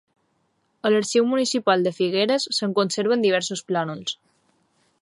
A l'arxiu Municipal de Figueres se'n conserven diversos plànols.